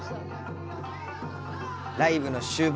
ライブの終盤。